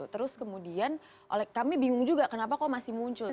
terus kemudian kami bingung juga kenapa kok masih muncul